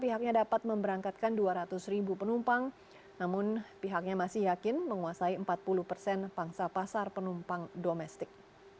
pihaknya dapat memberangkatkan dua ratus ribu penumpang namun pihaknya masih yakin menguasai empat puluh persen pangsa pasar penumpang domestik